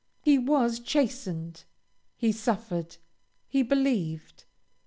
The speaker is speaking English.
He was chastened he suffered he believed.